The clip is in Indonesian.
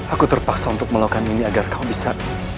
aku terpaksa untuk melakukan ini agar kau bisa